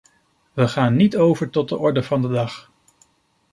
We gaan niet over tot de orde van de dag.